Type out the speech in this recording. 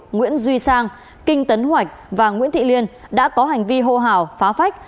nguyễn duy sang kinh tấn hoạch và nguyễn thị liên đã có hành vi hô hào phá phách